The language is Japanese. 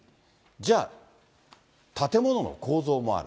じゃあ、建物の構造もある。